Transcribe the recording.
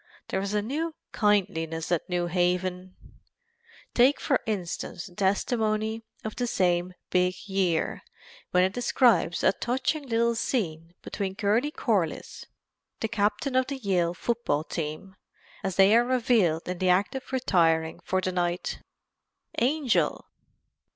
There is a new kindliness at New Haven. Take for instance the testimony of the same "Big Year" when it describes a touching little scene between Curly Corliss, the captain of the Yale football team, and his room mate as they are revealed in the act of retiring for the night: "'Angel!'